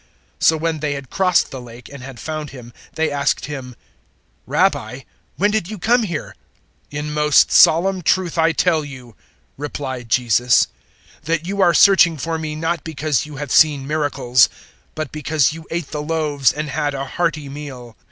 006:025 So when they had crossed the Lake and had found Him, they asked Him, "Rabbi, when did you come here?" 006:026 "In most solemn truth I tell you," replied Jesus, "that you are searching for me not because you have seen miracles, but because you ate the loaves and had a hearty meal.